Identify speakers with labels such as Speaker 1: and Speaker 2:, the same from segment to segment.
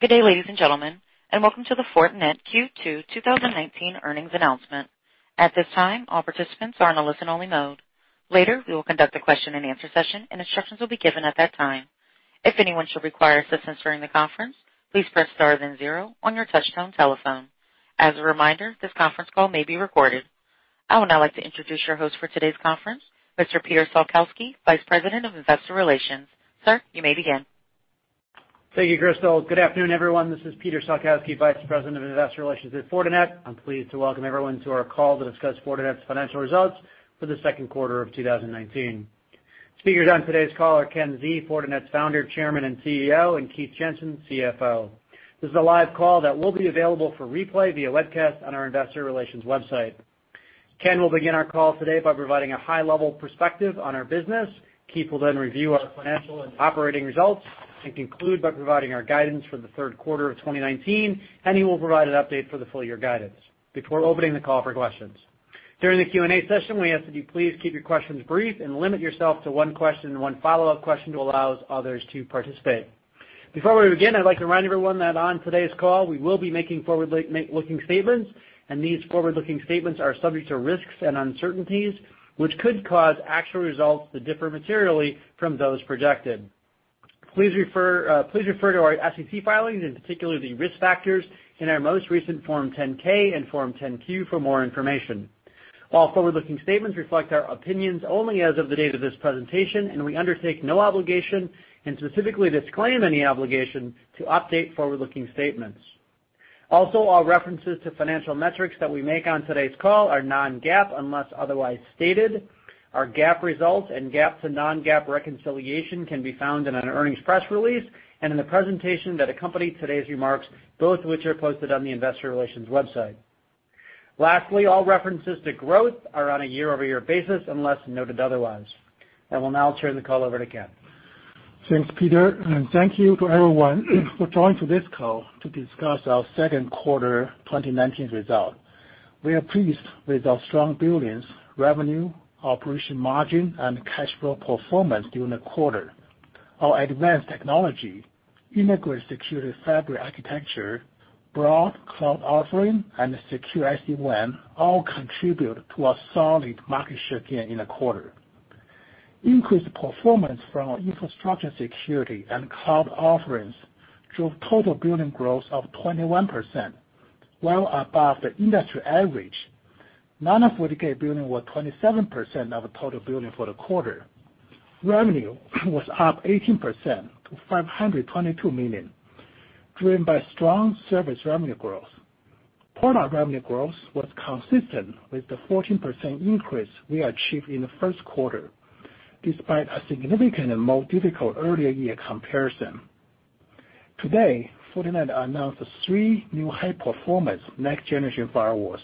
Speaker 1: Good day, ladies and gentlemen, and welcome to the Fortinet Q2 2019 earnings announcement. At this time, all participants are in a listen-only mode. Later, we will conduct a question and answer session, and instructions will be given at that time. If anyone should require assistance during the conference, please press star then zero on your touchtone telephone. As a reminder, this conference call may be recorded. I would now like to introduce your host for today's conference, Mr. Peter Salkowski, Vice President of Investor Relations. Sir, you may begin.
Speaker 2: Thank you, Crystal. Good afternoon, everyone. This is Peter Salkowski, Vice President of Investor Relations at Fortinet. I am pleased to welcome everyone to our call to discuss Fortinet's financial results for the second quarter of 2019. Speakers on today's call are Ken Xie, Fortinet's Founder, Chairman, and CEO, and Keith Jensen, CFO. This is a live call that will be available for replay via webcast on our Investor Relations website. Ken will begin our call today by providing a high-level perspective on our business. Keith will review our financial and operating results and conclude by providing our guidance for the third quarter of 2019. He will provide an update for the full-year guidance before opening the call for questions. During the Q&A session, we ask that you please keep your questions brief and limit yourself to one question and one follow-up question to allow others to participate. Before we begin, I'd like to remind everyone that on today's call, we will be making forward-looking statements, and these forward-looking statements are subject to risks and uncertainties, which could cause actual results to differ materially from those projected. Please refer to our SEC filings, and particularly the risk factors in our most recent Form 10-K and Form 10-Q for more information. All forward-looking statements reflect our opinions only as of the date of this presentation, and we undertake no obligation and specifically disclaim any obligation to update forward-looking statements. All references to financial metrics that we make on today's call are non-GAAP unless otherwise stated. Our GAAP results and GAAP to non-GAAP reconciliation can be found in an earnings press release and in the presentation that accompany today's remarks, both of which are posted on the investor relations website. Lastly, all references to growth are on a year-over-year basis, unless noted otherwise. I will now turn the call over to Ken.
Speaker 3: Thanks, Peter, and thank you to everyone for joining to this call to discuss our second quarter 2019 result. We are pleased with our strong billings, revenue, operating margin, and cash flow performance during the quarter. Our advanced technology, integrated Security Fabric architecture, broad cloud offering, and secure SD-WAN all contribute to a solid market share gain in the quarter. Increased performance from our infrastructure security and cloud offerings drove total billing growth of 21%, well above the industry average. Non-FortiGate billing was 27% of total billing for the quarter. Revenue was up 18% to $522 million, driven by strong service revenue growth. Product revenue growth was consistent with the 14% increase we achieved in the first quarter, despite a significant and more difficult earlier year comparison. Today, Fortinet announced three new high-performance next-generation firewalls,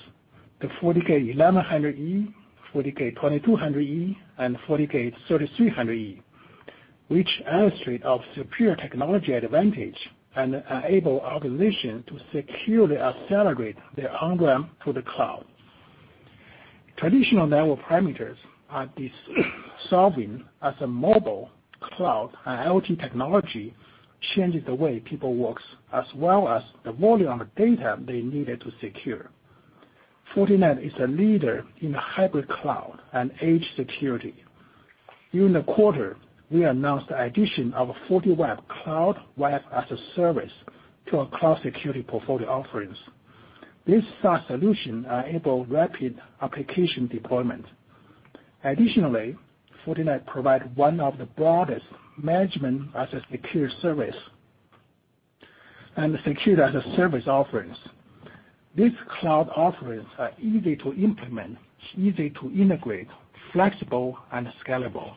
Speaker 3: the FortiGate 1100E, FortiGate 2200E, and FortiGate 3300E, which illustrate our superior technology advantage and enable our position to securely accelerate the on-ramp to the cloud. Traditional network parameters are dissolving as mobile, cloud, and IoT technology changes the way people work, as well as the volume of data they needed to secure. Fortinet is a leader in hybrid cloud and edge security. During the quarter, we announced the addition of FortiWeb Cloud, Web as a Service to our cloud security portfolio offerings. This SaaS solution enables rapid application deployment. Additionally, Fortinet provide one of the broadest management as a secure service and security as a service offerings. These cloud offerings are easy to implement, easy to integrate, flexible, and scalable.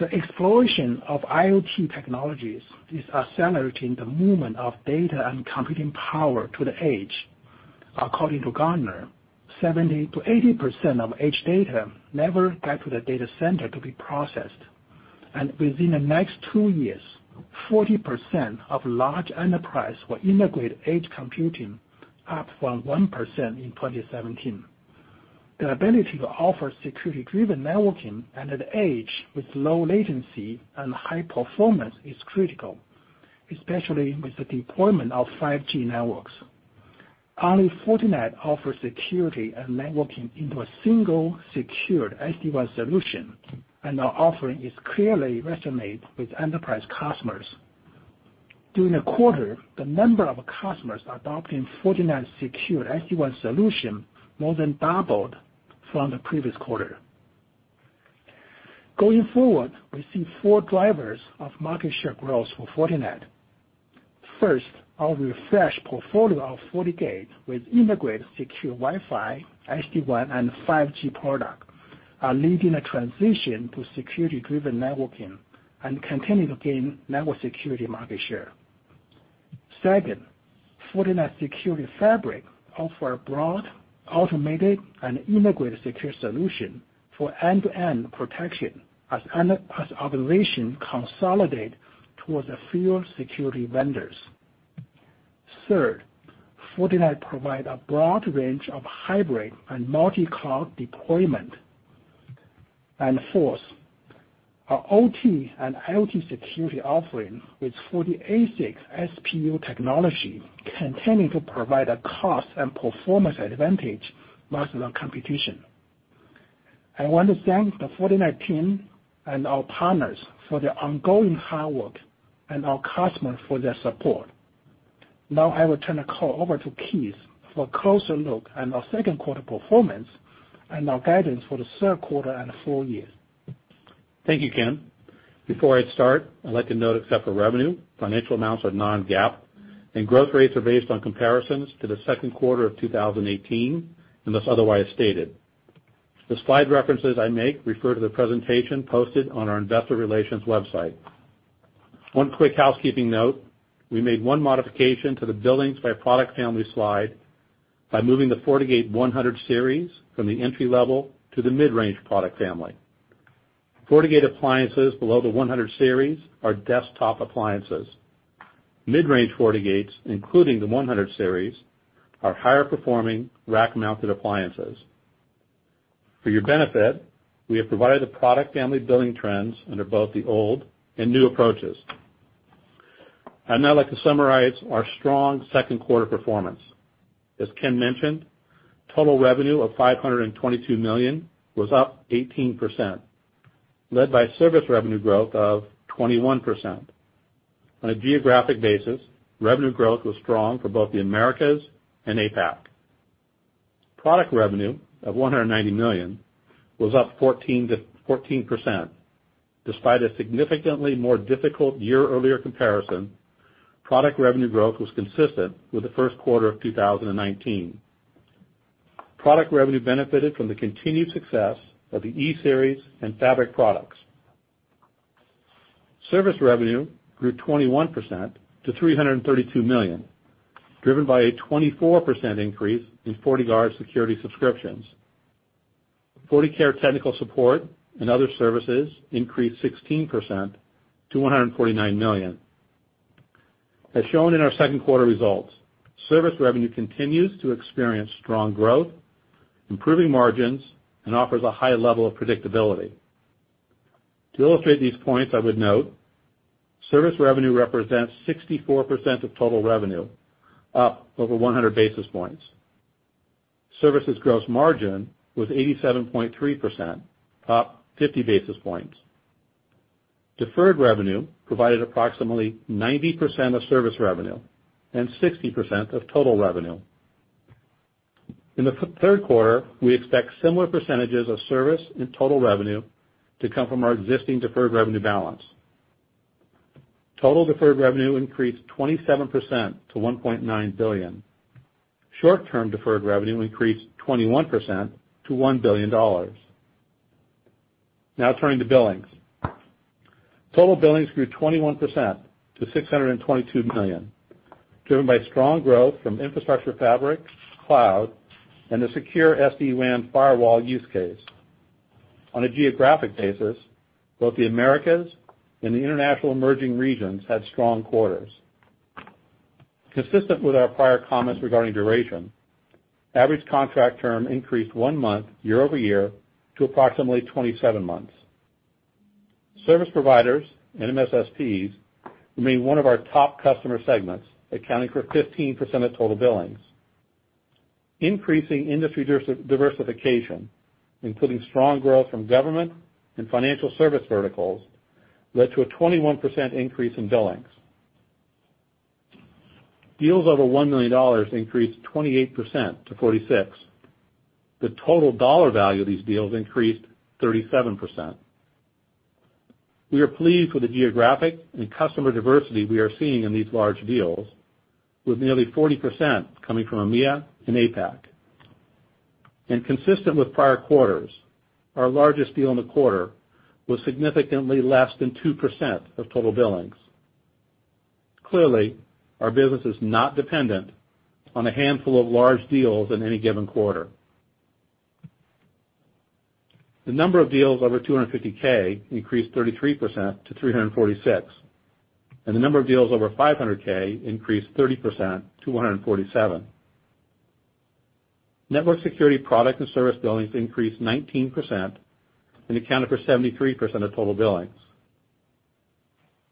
Speaker 3: The exploration of IoT technologies is accelerating the movement of data and computing power to the edge. According to Gartner, 70%-80% of edge data never get to the data center to be processed, and within the next two years, 40% of large enterprise will integrate edge computing, up from 1% in 2017. The ability to offer security-driven networking and at edge with low latency and high performance is critical, especially with the deployment of 5G networks. Only Fortinet offers security and networking into a single secured SD-WAN solution, and our offering is clearly resonate with enterprise customers. During the quarter, the number of customers adopting Fortinet secure SD-WAN solution more than doubled from the previous quarter. Going forward, we see four drivers of market share growth for Fortinet. First, our refreshed portfolio of FortiGate with integrated secure Wi-Fi, SD-WAN, and 5G products are leading a transition to security-driven networking and continue to gain network security market share. Second, Fortinet Security Fabric offer a broad, automated, and integrated secure solution for end-to-end protection as organizations consolidate towards a fewer security vendors. Third, Fortinet provide a broad range of hybrid and multi-cloud deployment. Fourth, our OT and IoT security offering with FortiASIC SPU technology continuing to provide a cost and performance advantage versus the competition. I want to thank the Fortinet team and our partners for their ongoing hard work and our customers for their support. Now I will turn the call over to Keith for a closer look at our second quarter performance and our guidance for the third quarter and full year.
Speaker 4: Thank you, Ken. Before I start, I'd like to note, except for revenue, financial amounts are non-GAAP and growth rates are based on comparisons to the second quarter of 2018, unless otherwise stated. The slide references I make refer to the presentation posted on our investor relations website. One quick housekeeping note, we made one modification to the billings by product family slide by moving the FortiGate 100 series from the entry-level to the mid-range product family. FortiGate appliances below the 100 series are desktop appliances. Mid-range FortiGates, including the 100 series, are higher performing rack-mounted appliances. For your benefit, we have provided the product family billing trends under both the old and new approaches. I'd now like to summarize our strong second quarter performance. As Ken mentioned, total revenue of $522 million was up 18%, led by service revenue growth of 21%. On a geographic basis, revenue growth was strong for both the Americas and APAC. Product revenue of $190 million was up 14%. Despite a significantly more difficult year-earlier comparison, product revenue growth was consistent with the first quarter of 2019. Product revenue benefited from the continued success of the E-series and Fabric products. Service revenue grew 21% to $332 million, driven by a 24% increase in FortiGuard security subscriptions. FortiCare technical support and other services increased 16% to $149 million. As shown in our second quarter results, service revenue continues to experience strong growth, improving margins, and offers a high level of predictability. To illustrate these points, I would note, service revenue represents 64% of total revenue, up over 100 basis points. Services gross margin was 87.3%, up 50 basis points. Deferred revenue provided approximately 90% of service revenue and 60% of total revenue. In the third quarter, we expect similar percentages of service and total revenue to come from our existing deferred revenue balance. Total deferred revenue increased 27% to $1.9 billion. Short-term deferred revenue increased 21% to $1 billion. Turning to billings. Total billings grew 21% to $622 million, driven by strong growth from Security Fabric, cloud, and the secure SD-WAN firewall use case. On a geographic basis, both the Americas and the international emerging regions had strong quarters. Consistent with our prior comments regarding duration, average contract term increased one month year-over-year to approximately 27 months. Service providers and MSSPs remain one of our top customer segments, accounting for 15% of total billings. Increasing industry diversification, including strong growth from government and financial service verticals, led to a 21% increase in billings. Deals over $1 million increased 28% to 46. The total dollar value of these deals increased 37%. We are pleased with the geographic and customer diversity we are seeing in these large deals, with nearly 40% coming from EMEA and APAC. Consistent with prior quarters, our largest deal in the quarter was significantly less than 2% of total billings. Clearly, our business is not dependent on a handful of large deals in any given quarter. The number of deals over $250K increased 33% to 346, and the number of deals over $500K increased 30% to 147. Network security product and service billings increased 19% and accounted for 73% of total billings.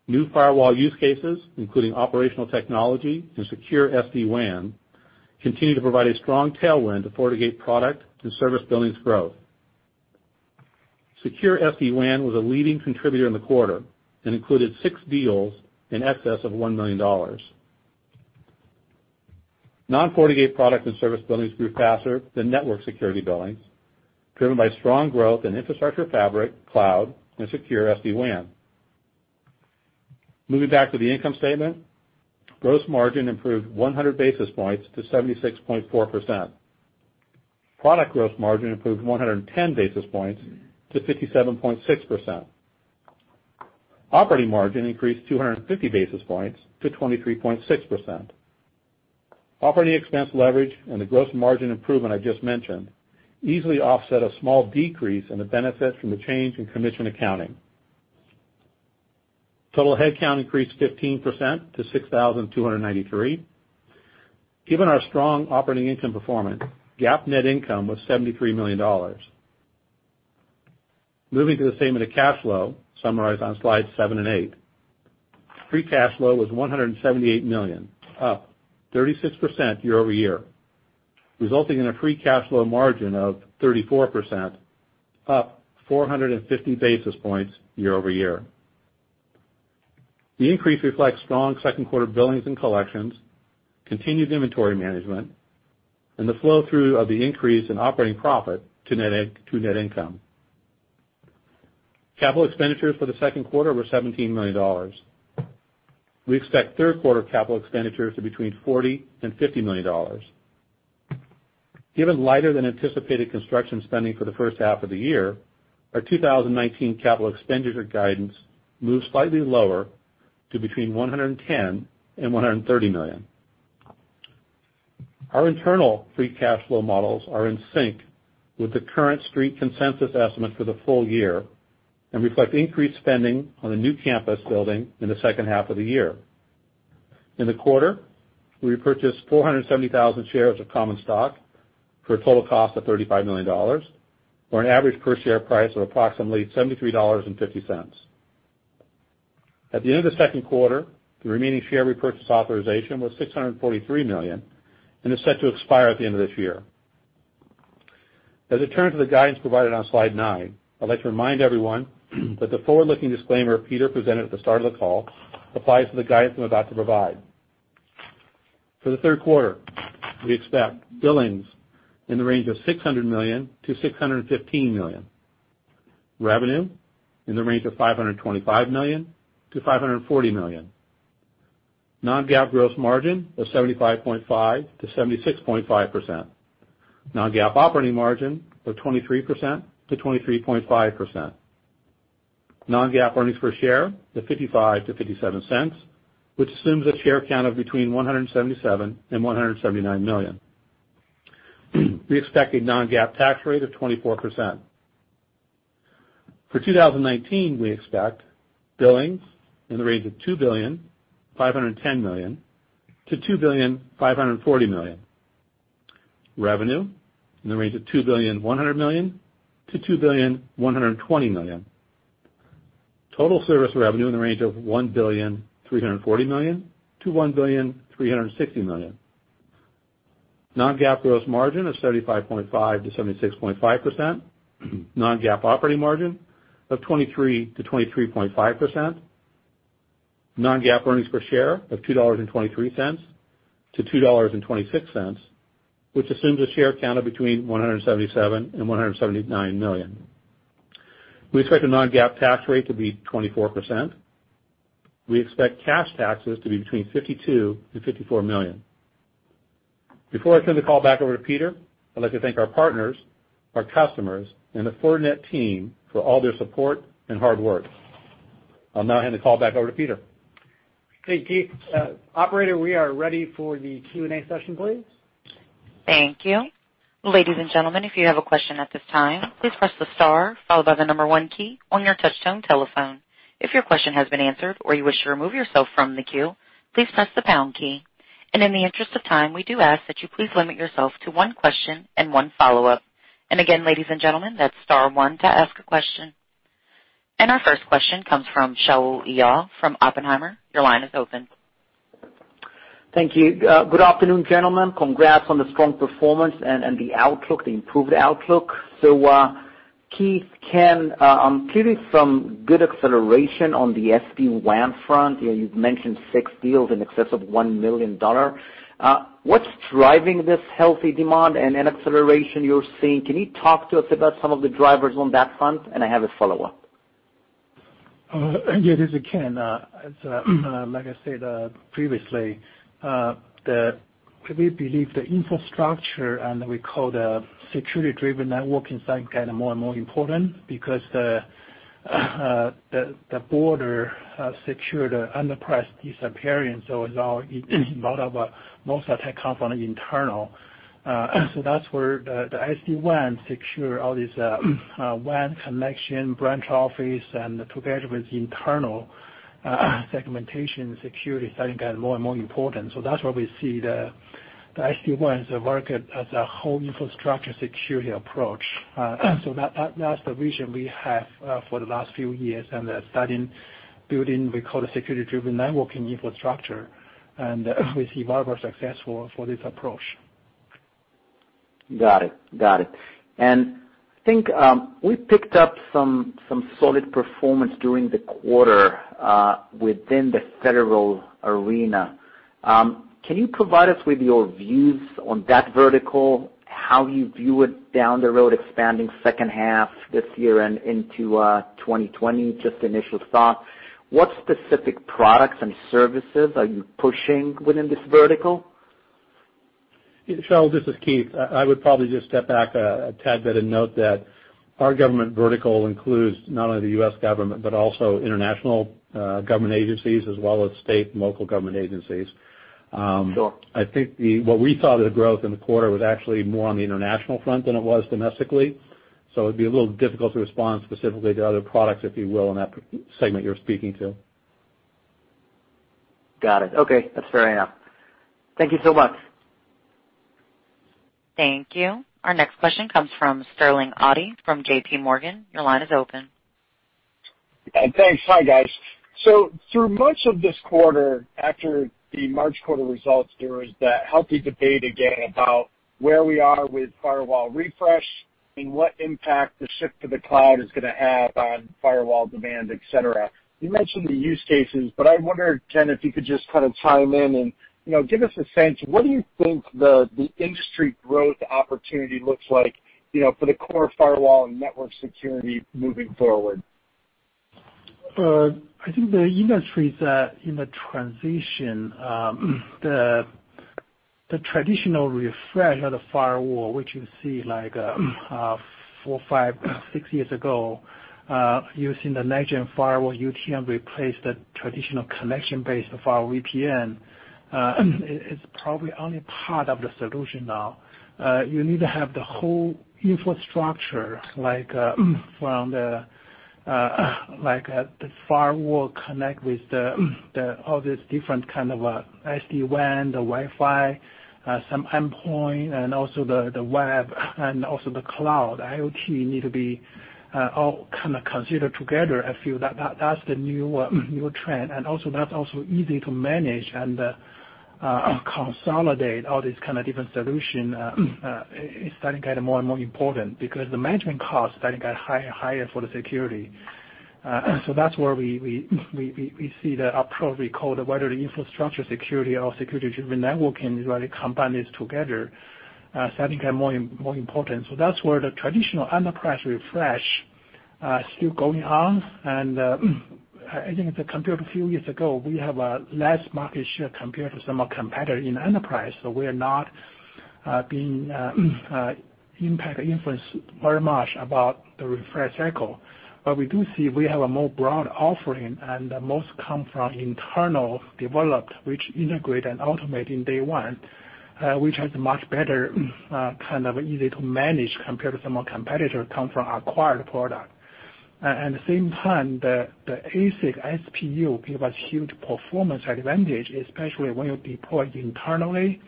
Speaker 4: New firewall use cases, including operational technology and secure SD-WAN, continue to provide a strong tailwind to FortiGate product and service billings growth. Secure SD-WAN was a leading contributor in the quarter and included six deals in excess of $1 million. Non-FortiGate product and service billings grew faster than network security billings, driven by strong growth in infrastructure fabric, cloud, and secure SD-WAN. Moving back to the income statement, gross margin improved 100 basis points to 76.4%. Product gross margin improved 110 basis points to 57.6%. Operating margin increased 250 basis points to 23.6%. Operating expense leverage and the gross margin improvement I just mentioned easily offset a small decrease in the benefit from the change in commission accounting. Total headcount increased 15% to 6,293. Given our strong operating income performance, GAAP net income was $73 million. Moving to the statement of cash flow summarized on slide seven and eight. Free cash flow was $178 million, up 36% year-over-year, resulting in a free cash flow margin of 34%, up 450 basis points year-over-year. The increase reflects strong second quarter billings and collections, continued inventory management, and the flow-through of the increase in operating profit to net income. Capital expenditures for the second quarter were $17 million. We expect third quarter capital expenditures of between $40 million and $50 million. Given lighter than anticipated construction spending for the first half of the year, our 2019 capital expenditure guidance moved slightly lower to between $110 million and $130 million. Our internal free cash flow models are in sync with the current street consensus estimate for the full year and reflect increased spending on the new campus building in the second half of the year. In the quarter, we repurchased 470,000 shares of common stock for a total cost of $35 million, or an average per share price of approximately $73.50. At the end of the second quarter, the remaining share repurchase authorization was $643 million and is set to expire at the end of this year. As I turn to the guidance provided on slide nine, I'd like to remind everyone that the forward-looking disclaimer Peter presented at the start of the call applies to the guidance I'm about to provide. For the third quarter, we expect billings in the range of $600 million-$615 million. Revenue in the range of $525 million-$540 million. Non-GAAP gross margin of 75.5%-76.5%. Non-GAAP operating margin of 23%-23.5%. Non-GAAP earnings per share of $0.55-$0.57, which assumes a share count of between 177 million and 179 million. We expect a non-GAAP tax rate of 24%. For 2019, we expect billings in the range of $2,510 million to $2,540 million. Revenue in the range of $2,100 million to $2,120 million. Total service revenue in the range of $1,340 million to $1,360 million. Non-GAAP gross margin of 75.5%-76.5%. Non-GAAP operating margin of 23%-23.5%. Non-GAAP earnings per share of $2.23-$2.26, which assumes a share count of between 177 million and 179 million. We expect the non-GAAP tax rate to be 24%. We expect cash taxes to be between $52 million and $54 million. Before I turn the call back over to Peter, I'd like to thank our partners, our customers, and the Fortinet team for all their support and hard work. I'll now hand the call back over to Peter.
Speaker 2: Thank you, Keith. Operator, we are ready for the Q&A session, please.
Speaker 1: Thank you. Ladies and gentlemen, if you have a question at this time, please press the star followed by the number 1 key on your touch-tone telephone. If your question has been answered or you wish to remove yourself from the queue, please press the pound key. In the interest of time, we do ask that you please limit yourself to one question and one follow-up. Again, ladies and gentlemen, that's star 1 to ask a question. Our first question comes from Shaul Eyal from Oppenheimer. Your line is open.
Speaker 5: Thank you. Good afternoon, gentlemen. Congrats on the strong performance and the improved outlook. Keith, Ken, I'm curious from good acceleration on the SD-WAN front. You've mentioned six deals in excess of $1 million. What's driving this healthy demand and acceleration you're seeing? Can you talk to us about some of the drivers on that front? I have a follow-up.
Speaker 3: Yeah, this is Ken. Like I said previously, we believe the infrastructure and we call the security-driven networking side more and more important because the border-secured enterprise disappearing. Almost all attacks come from the internal. That's where the SD-WAN secure all these WAN connection, branch office, and together with internal segmentation security, starting to get more and more important. That's why we see the SD-WAN as a market, as a whole infrastructure security approach. That's the vision we have for the last few years and starting building, we call the security-driven networking infrastructure, and we see more successful for this approach.
Speaker 5: Got it. I think we picked up some solid performance during the quarter within the federal arena. Can you provide us with your views on that vertical, how you view it down the road expanding second half this year and into 2020? Just initial thoughts. What specific products and services are you pushing within this vertical?
Speaker 4: Shaul, this is Keith. I would probably just step back a tad bit and note that our government vertical includes not only the U.S. government, but also international government agencies as well as state and local government agencies.
Speaker 5: Sure.
Speaker 4: I think what we thought of the growth in the quarter was actually more on the international front than it was domestically. It'd be a little difficult to respond specifically to other products, if you will, in that segment you're speaking to.
Speaker 5: Got it. Okay. That's fair enough. Thank you so much.
Speaker 1: Thank you. Our next question comes from Sterling Auty from JPMorgan. Your line is open.
Speaker 6: Thanks. Hi, guys. Through much of this quarter, after the March quarter results, there was that healthy debate again about where we are with firewall refresh and what impact the shift to the cloud is going to have on firewall demand, et cetera. You mentioned the use cases. I wonder, Ken, if you could just kind of chime in and give us a sense, what do you think the industry growth opportunity looks like for the core firewall and network security moving forward?
Speaker 3: I think the industry is in the transition. The traditional refresh of the firewall, which you see like four, five, six years ago, using the next-gen firewall UTM replaced the traditional connection based of our VPN, is probably only part of the solution now. You need to have the whole infrastructure, like from the firewall connect with all these different kind of SD-WAN, the Wi-Fi, some endpoint, and also the web, and also the cloud. IoT need to be all kind of considered together. I feel that's the new trend. That's also easy to manage and consolidate all these kind of different solution is starting to get more and more important because the management cost starting to get higher for the security. That's where we see the approach we call the whether infrastructure security or security networking, really combine this together, starting to get more important. That's where the traditional enterprise refresh still going on. I think if you compare to a few years ago, we have a less market share compared to some competitor in enterprise. We are not being impact or influenced very much about the refresh cycle. We do see we have a more broad offering, and most come from internal developed, which integrate and automate in day one, which has much better, kind of easy to manage compared to some competitor come from acquired product. At the same time, the ASIC SPU give us huge performance advantage, especially when you deploy internally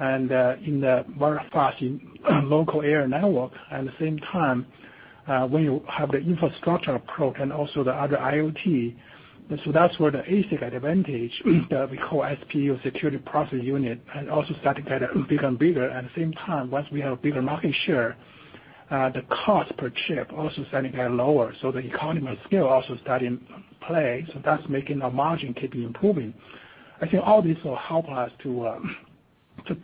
Speaker 3: and in the very fast local area network. At the same time, when you have the infrastructure approach and also the other IoT, that's where the ASIC advantage that we call SPU, security processor unit, and also starting to get bigger and bigger. At the same time, once we have bigger market share, the cost per chip also starting to get lower. The economy of scale also start in play. That's making our margin keep improving. I think all this will help us to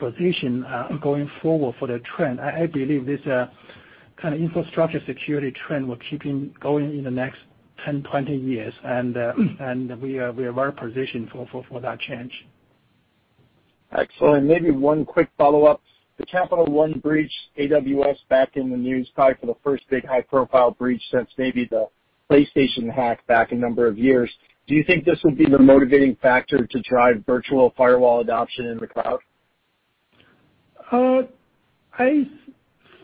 Speaker 3: position going forward for the trend. I believe this kind of infrastructure security trend will keep going in the next 10, 20 years, and we are well-positioned for that change.
Speaker 6: Excellent. Maybe one quick follow-up. The Capital One breach, AWS back in the news, probably for the first big high-profile breach since maybe the PlayStation hack back a number of years. Do you think this would be the motivating factor to drive virtual firewall adoption in the cloud?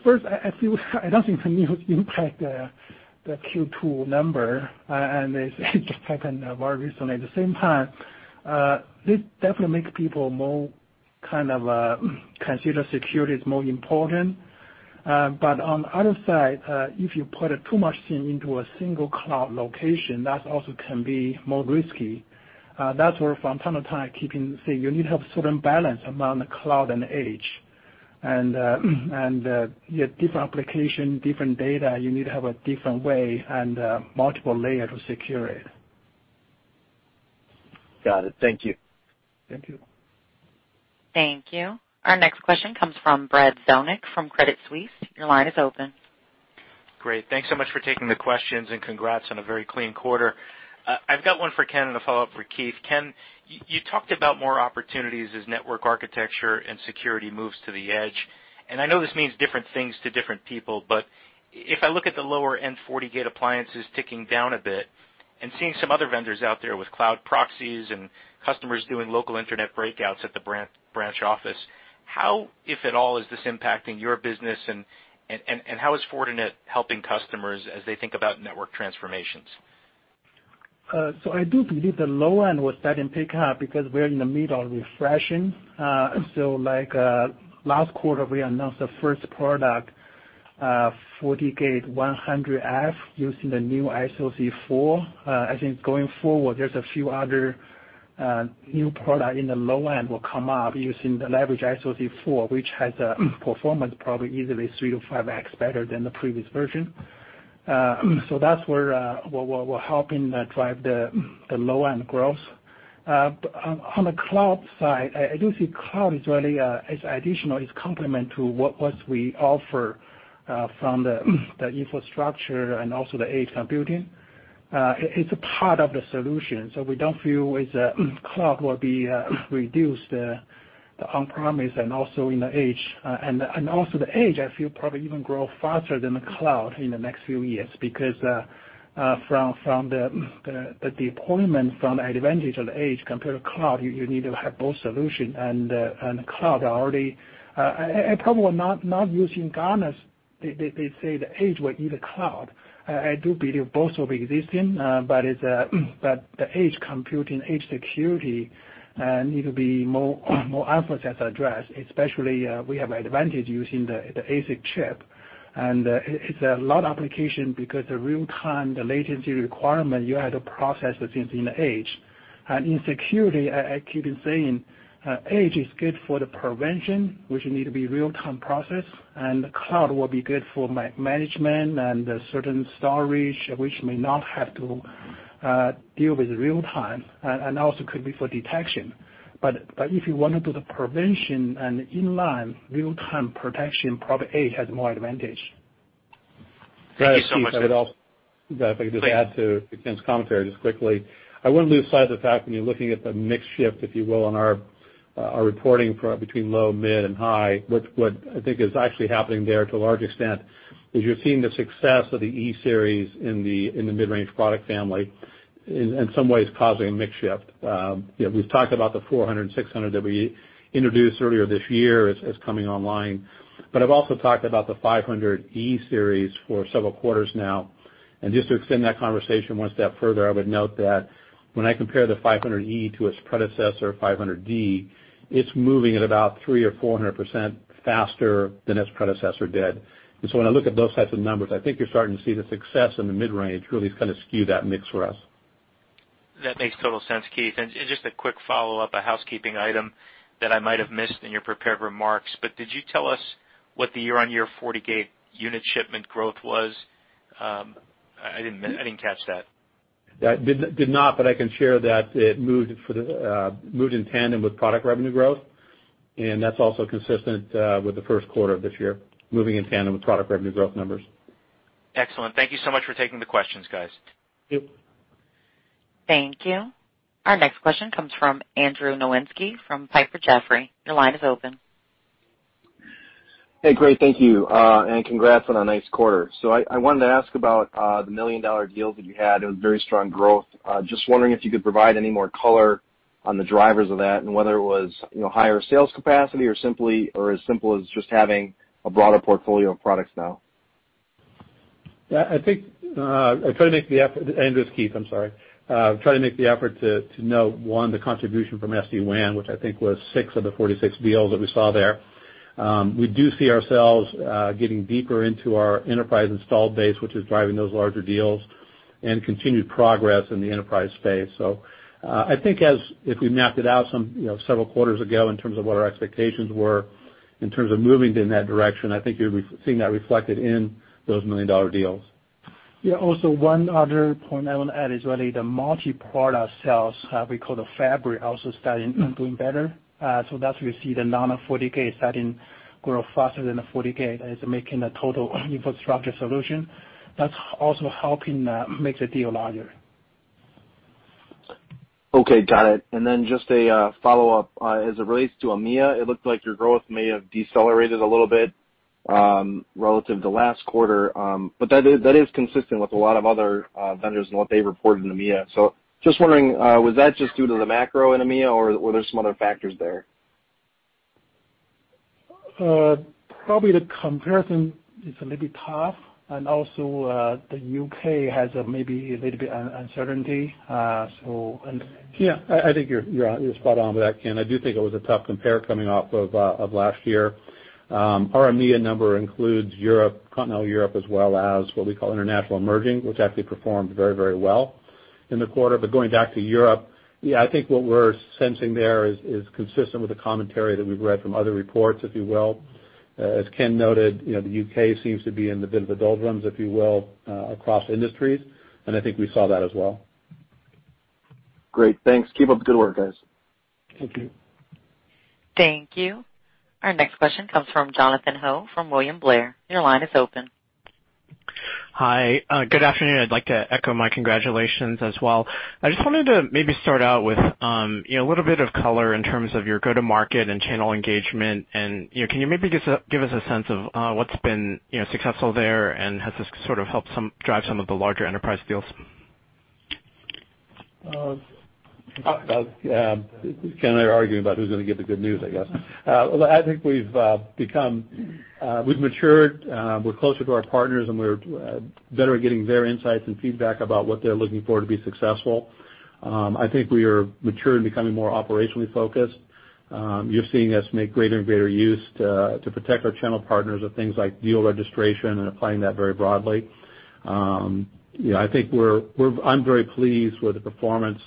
Speaker 3: First, I feel I don't think it will impact the Q2 number, and it just happened very recently. At the same time, this definitely makes people more kind of consider security is more important. On the other side, if you put too many things into a single cloud location, that also can be more risky. That's where from time to time, keep saying you need to have certain balance among the cloud and edge. Different application, different data, you need to have a different way and multiple layers to secure it.
Speaker 6: Got it. Thank you.
Speaker 3: Thank you.
Speaker 1: Thank you. Our next question comes from Brad Zelnick from Credit Suisse. Your line is open.
Speaker 7: Great. Thanks so much for taking the questions, congrats on a very clean quarter. I've got one for Ken and a follow-up for Keith. Ken, you talked about more opportunities as network architecture and security moves to the edge, I know this means different things to different people, if I look at the lower-end FortiGate appliances ticking down a bit and seeing some other vendors out there with cloud proxies and customers doing local internet breakouts at the branch office, how, if at all, is this impacting your business, how is Fortinet helping customers as they think about network transformations?
Speaker 3: I do believe the low end will start and pick up because we're in the middle of refreshing. Like last quarter, we announced the first product, FortiGate 100F, using the new SoC4. I think going forward, there's a few other new product in the low end will come up using the leverage SoC4, which has a performance probably easily 3 to 5x better than the previous version. That's where we're helping drive the low-end growth. On the cloud side, I do see cloud is really as additional, it's complement to what we offer from the infrastructure and also the edge computing. It's a part of the solution. We don't feel it's cloud will be reduced on-premise and also in the edge. Also the edge, I feel, probably even grow faster than the cloud in the next few years, because from the deployment, from the advantage of the edge compared to cloud, you need to have both solution. They say the edge will eat a cloud. I do believe both will be existing, but the edge computing, edge security need to be more emphasized, addressed, especially we have advantage using the ASIC chip, and it's a lot of application because the real-time, the latency requirement, you had to process it in the edge. In security, I keep saying, edge is good for the prevention, which need to be real-time process, and the cloud will be good for management and certain storage, which may not have to deal with real-time, and also could be for detection. If you want to do the prevention and inline real-time protection, probably edge has more advantage.
Speaker 7: Thank you so much.
Speaker 4: If I could just add to Ken's commentary just quickly. I wouldn't lose sight of the fact when you're looking at the mix shift, if you will, on our reporting between low, mid, and high, what I think is actually happening there to a large extent is you're seeing the success of the E-series in the mid-range product family in some ways causing a mix shift. We've talked about the 400 and 600 that we introduced earlier this year as coming online. I've also talked about the 500E for several quarters now, and just to extend that conversation one step further, I would note that when I compare the 500E to its predecessor, 500D, it's moving at about three or 400% faster than its predecessor did. When I look at those types of numbers, I think you're starting to see the success in the mid-range really skew that mix for us.
Speaker 7: That makes total sense, Keith. Just a quick follow-up, a housekeeping item that I might have missed in your prepared remarks, but did you tell us what the year-on-year FortiGate unit shipment growth was? I didn't catch that.
Speaker 4: I did not, but I can share that it moved in tandem with product revenue growth, and that's also consistent with the first quarter of this year, moving in tandem with product revenue growth numbers.
Speaker 7: Excellent. Thank you so much for taking the questions, guys.
Speaker 3: Thank you.
Speaker 1: Thank you. Our next question comes from Andrew Nowinski from Piper Jaffray. Your line is open.
Speaker 8: Hey, great. Thank you. Congrats on a nice quarter. I wanted to ask about the million-dollar deals that you had. It was very strong growth. Just wondering if you could provide any more color on the drivers of that and whether it was higher sales capacity or as simple as just having a broader portfolio of products now.
Speaker 4: I think, Andrew, it's Keith, I'm sorry. I try to make the effort to note, one, the contribution from SD-WAN, which I think was six of the 46 deals that we saw there. We do see ourselves getting deeper into our enterprise installed base, which is driving those larger deals, and continued progress in the enterprise space. I think as if we mapped it out several quarters ago in terms of what our expectations were in terms of moving in that direction, I think you're seeing that reflected in those million-dollar deals.
Speaker 3: Also one other point I want to add is really the multi-product sales we call the Fabric, also starting and doing better. That's where you see the non-FortiGate starting grow faster than the FortiGate. That is making a total infrastructure solution. That's also helping make the deal larger.
Speaker 8: Okay, got it. Just a follow-up. As it relates to EMEA, it looked like your growth may have decelerated a little bit, relative to last quarter. That is consistent with a lot of other vendors and what they've reported in EMEA. Just wondering, was that just due to the macro in EMEA, or were there some other factors there?
Speaker 3: Probably the comparison is a little bit tough, and also, the U.K. has maybe a little bit uncertainty.
Speaker 4: Yeah, I think you're spot on with that, Ken. I do think it was a tough compare coming off of last year. Our EMEA number includes Europe, continental Europe, as well as what we call international emerging, which actually performed very well in the quarter. Going back to Europe, yeah, I think what we're sensing there is consistent with the commentary that we've read from other reports, if you will. As Ken noted, the U.K. seems to be in a bit of a doldrums, if you will, across industries, and I think we saw that as well.
Speaker 8: Great. Thanks. Keep up the good work, guys.
Speaker 3: Thank you.
Speaker 1: Thank you. Our next question comes from Jonathan Ho from William Blair. Your line is open.
Speaker 9: Hi. Good afternoon. I'd like to echo my congratulations as well. I just wanted to maybe start out with a little bit of color in terms of your go-to-market and channel engagement, and can you maybe give us a sense of what's been successful there, and has this sort of helped drive some of the larger enterprise deals?
Speaker 4: Ken and I are arguing about who's going to give the good news, I guess. I think we've matured, we're closer to our partners, and we're better at getting their insights and feedback about what they're looking for to be successful. I think we are mature and becoming more operationally focused. You're seeing us make greater and greater use to protect our channel partners of things like deal registration and applying that very broadly. I'm very pleased with the performance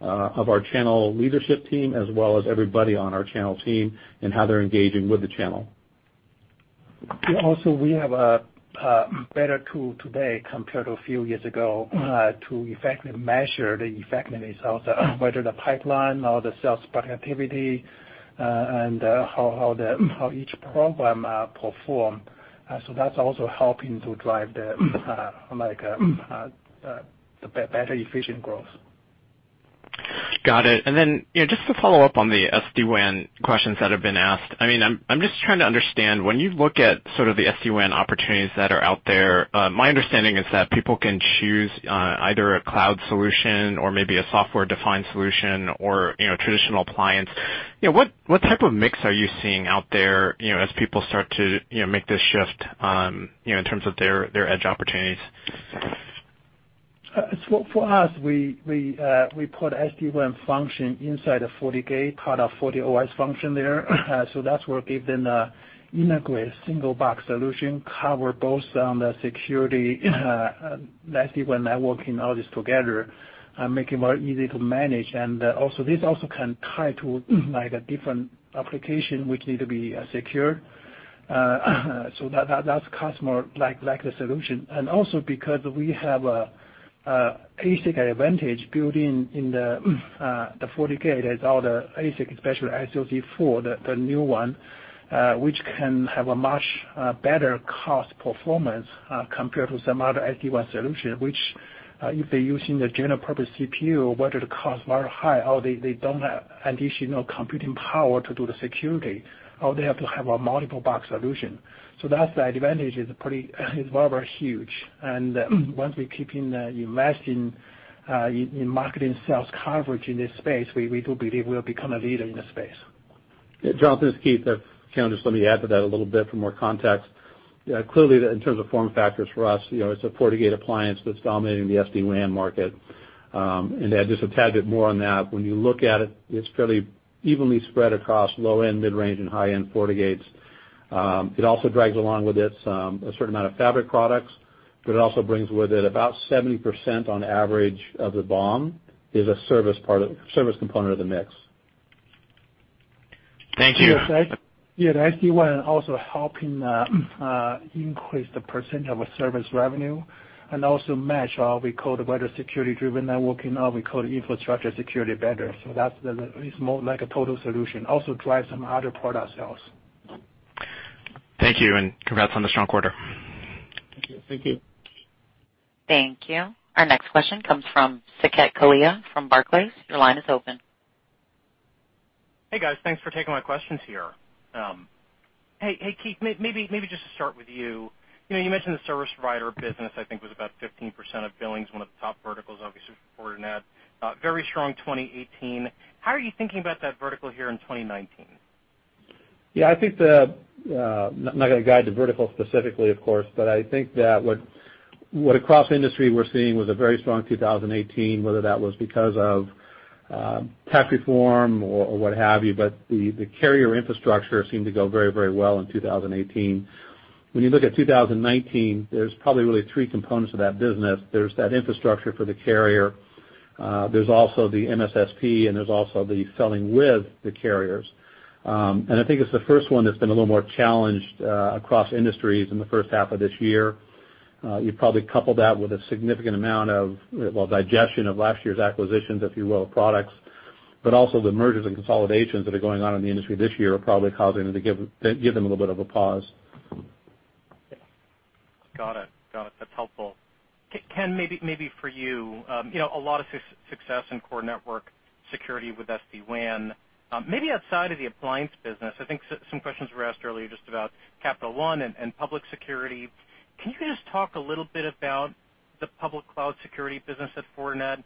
Speaker 4: of our channel leadership team as well as everybody on our channel team and how they are engaging with the channel.
Speaker 3: We have a better tool today compared to a few years ago to effectively measure the effectiveness of whether the pipeline or the sales productivity, and how each program perform. That's also helping to drive the better efficient growth.
Speaker 9: Got it. Just to follow up on the SD-WAN questions that have been asked. I'm just trying to understand, when you look at sort of the SD-WAN opportunities that are out there, my understanding is that people can choose either a cloud solution or maybe a software-defined solution or traditional appliance. What type of mix are you seeing out there as people start to make this shift in terms of their edge opportunities?
Speaker 3: For us, we put SD-WAN function inside a FortiGate, part of FortiOS function there. That will give them an integrated single box solution, cover both on the security, SD-WAN networking, all this together, make it very easy to manage. This also can tie to different application which need to be secured. That customer like the solution. Also because we have ASIC advantage built in the FortiGate, there's all the ASIC, especially SoC4, the new one, which can have a much better cost performance compared to some other SD-WAN solution, which if they're using the general purpose CPU, whether the cost very high or they don't have additional computing power to do the security, or they have to have a multiple box solution. That's the advantage, is very huge. Once we keep investing in marketing sales coverage in this space, we do believe we'll become a leader in the space.
Speaker 4: Jonathan, it's Keith. Ken, just let me add to that a little bit for more context. Clearly, in terms of form factors for us, it's a FortiGate appliance that's dominating the SD-WAN market. To add just a tad bit more on that, when you look at it's fairly evenly spread across low-end, mid-range, and high-end FortiGates. It also drags along with it a certain amount of fabric products, but it also brings with it about 70% on average of the BOM is a service component of the mix.
Speaker 9: Thank you.
Speaker 3: Yeah, the SD-WAN also helping increase the percentage of a service revenue and also match our, we call the wider security-driven networking, or we call the infrastructure security better. It's more like a total solution. Drives some other product sales.
Speaker 9: Thank you, and congrats on the strong quarter.
Speaker 3: Thank you.
Speaker 4: Thank you.
Speaker 1: Thank you. Our next question comes from Saket Kalia from Barclays. Your line is open.
Speaker 10: Hey, guys. Thanks for taking my questions here. Hey, Keith, maybe just to start with you. You mentioned the service provider business, I think, was about 15% of billings, one of the top verticals, obviously, for Fortinet. Very strong 2018. How are you thinking about that vertical here in 2019?
Speaker 4: Yeah, I'm not going to guide the vertical specifically, of course, but I think that what across industry we're seeing was a very strong 2018, whether that was because of tax reform or what have you. The carrier infrastructure seemed to go very well in 2018. When you look at 2019, there's probably really three components of that business. There's that infrastructure for the carrier. There's also the MSSP, there's also the selling with the carriers. I think it's the first one that's been a little more challenged across industries in the first half of this year. You probably couple that with a significant amount of, well, digestion of last year's acquisitions, if you will, of products. Also the mergers and consolidations that are going on in the industry this year are probably causing them to give them a little bit of a pause.
Speaker 10: Got it. That's helpful. Ken, maybe for you. A lot of success in core network security with SD-WAN. Maybe outside of the appliance business, I think some questions were asked earlier just about Capital One and public security. Can you just talk a little bit about the public cloud security business at Fortinet,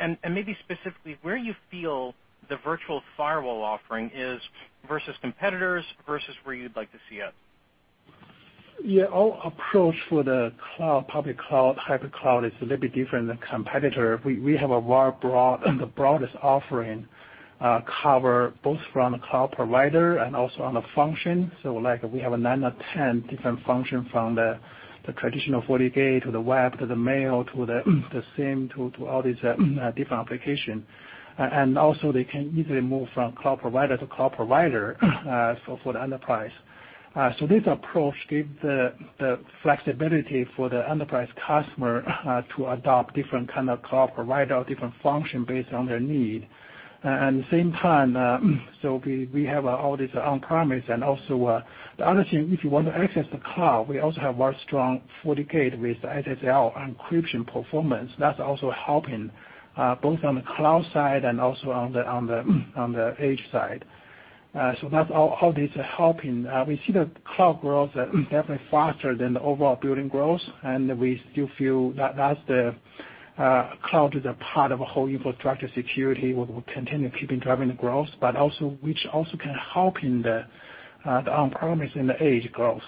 Speaker 10: and maybe specifically where you feel the virtual firewall offering is versus competitors, versus where you'd like to see it?
Speaker 3: Our approach for the public cloud, hypercloud is a little bit different than competitor. We have the broadest offering, cover both from the cloud provider and also on the function. We have nine or 10 different function from the traditional FortiGate to the FortiWeb, to the mail, to the FortiSIEM, to all these different application. Also they can easily move from cloud provider to cloud provider for the enterprise. This approach give the flexibility for the enterprise customer to adopt different kind of cloud provider or different function based on their need. Same time, we have all this on-premise, also the other thing, if you want to access the cloud, we also have very strong FortiGate with SSL encryption performance. That's also helping both on the cloud side and also on the edge side. That's how this helping. We see the cloud growth definitely faster than the overall billing growth, and we still feel that cloud is a part of a whole infrastructure security, will continue keeping driving the growth, but which also can help in the on-premise and the edge growth.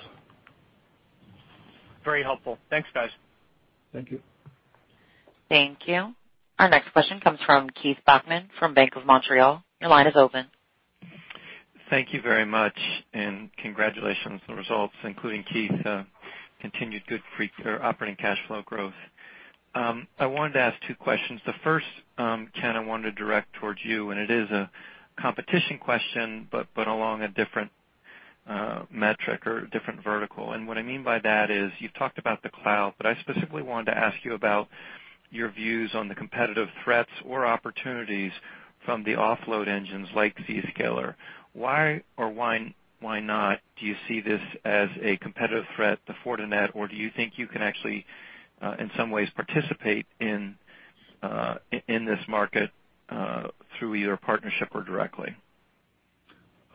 Speaker 10: Very helpful. Thanks, guys.
Speaker 3: Thank you.
Speaker 1: Thank you. Our next question comes from Keith Bachman from Bank of Montreal. Your line is open.
Speaker 11: Thank you very much, and congratulations on the results, including Keith. Continued good operating cash flow growth. I wanted to ask two questions. The first, Ken, I wanted to direct towards you, and it is a competition question, but along a different metric or different vertical. What I mean by that is, you've talked about the cloud, but I specifically wanted to ask you about your views on the competitive threats or opportunities from the offload engines like Zscaler. Why or why not do you see this as a competitive threat to Fortinet, or do you think you can actually, in some ways, participate in this market through either partnership or directly?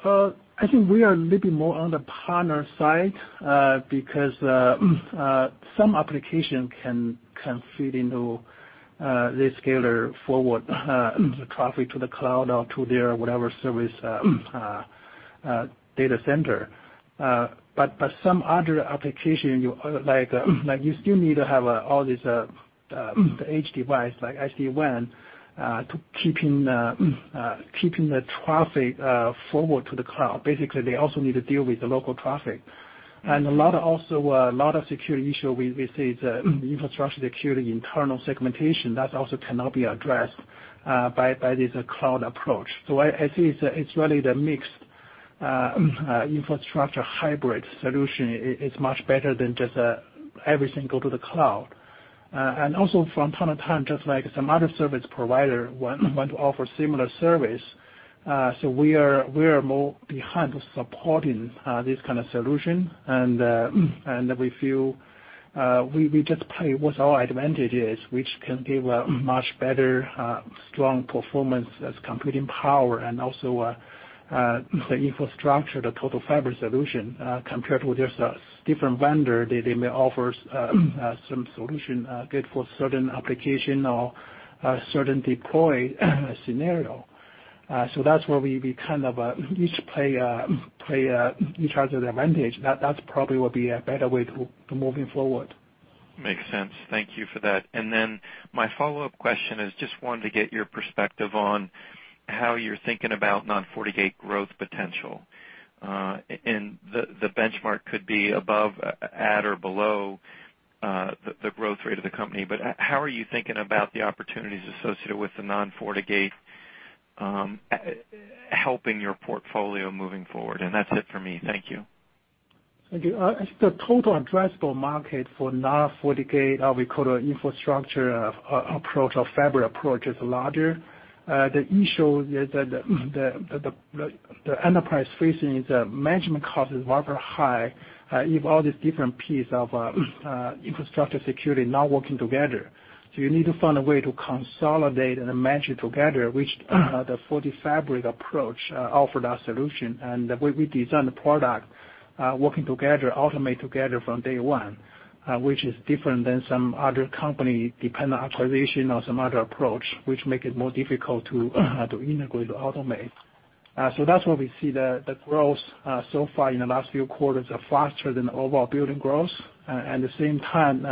Speaker 3: I think we are a little bit more on the partner side, because some application can feed into the Zscaler forward the traffic to the cloud or to their whatever service data center. Some other application, you still need to have all these edge device, like SD-WAN, to keeping the traffic forward to the cloud. Basically, they also need to deal with the local traffic. A lot of security issue we see is infrastructure security, internal segmentation, that also cannot be addressed by this cloud approach. I see it's really the mixed infrastructure hybrid solution is much better than just everything go to the cloud. Also from time to time, just like some other service provider want to offer similar service, we are more behind supporting this kind of solution. We feel, we just play with our advantages, which can give a much better, strong performance as computing power and also the infrastructure, the total Security Fabric solution, compared with just a different vendor. They may offer some solution good for certain application or a certain deployment scenario. That's where we each play each other's advantage. That probably would be a better way to moving forward.
Speaker 11: Makes sense. Thank you for that. Then my follow-up question is just wanted to get your perspective on how you're thinking about non-FortiGate growth potential. The benchmark could be above, at, or below the growth rate of the company. How are you thinking about the opportunities associated with the non-FortiGate helping your portfolio moving forward? That's it for me. Thank you.
Speaker 3: Thank you. I think the total addressable market for non-FortiGate, we call the infrastructure approach or Fabric approach, is larger. The issue is that the enterprise facing is management cost is rather high. You have all these different piece of infrastructure security not working together. You need to find a way to consolidate and manage it together, which the FortiFabric approach offered a solution. The way we design the product, working together, automate together from day one, which is different than some other company, depend on acquisition or some other approach, which make it more difficult to integrate or automate. That's why we see the growth so far in the last few quarters are faster than overall billing growth. At the same time,